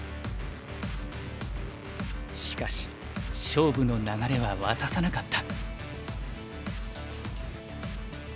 しかし勝負の流れは渡さなかった。